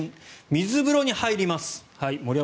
水風呂に入ります。